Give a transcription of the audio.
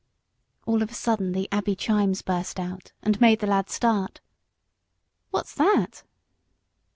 All of a sudden the Abbey chimes burst out, and made the lad start. "What's that?"